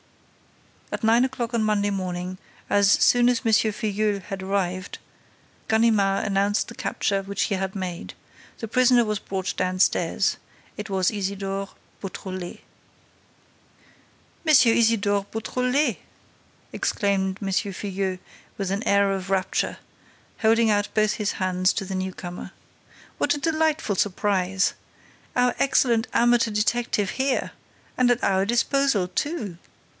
At nine o'clock on Monday morning, as soon as M. Filleul had arrived, Ganimard announced the capture which he had made. The prisoner was brought downstairs. It was Isidore Beautrelet. "M. Isidore Beautrelet!" exclaimed M. Filleul with an air of rapture, holding out both his hands to the newcomer. "What a delightful surprise! Our excellent amateur detective here! And at our disposal too!